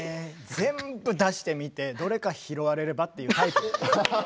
全部出してみてどれか拾われればって。